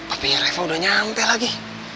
apinya reva udah nyampe lagi